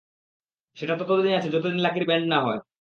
সেটা ততদিনই আছে, যতদিন লাকির ব্যান্ড না হয়।